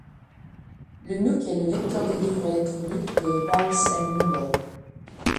Le nook est le lecteur de livres électroniques de Barnes & Noble.